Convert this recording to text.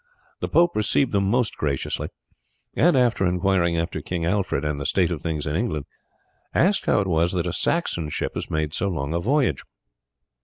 The pope received them most graciously, and after inquiring after King Alfred and the state of things in England, asked how it was that a Saxon ship had made so long a voyage.